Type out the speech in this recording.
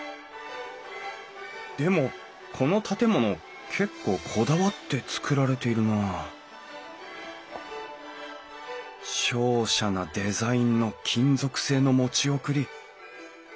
でもこの建物結構こだわって造られているなあ瀟洒なデザインの金属製の持ち送り。